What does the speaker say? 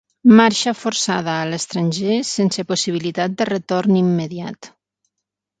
Marxa forçada a l'estranger sense possibilitat de retorn immediat.